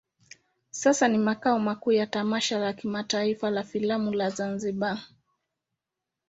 Sasa ni makao makuu ya tamasha la kimataifa la filamu la Zanzibar.